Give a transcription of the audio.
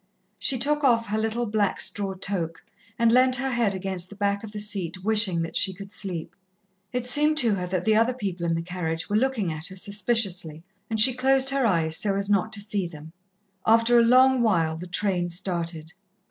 She took off her little black straw toque and leant her head against the back of the seat, wishing that she could sleep. It seemed to her that the other people in the carriage were looking at her suspiciously, and she closed her eyes so as not to see them. After a long while the train started.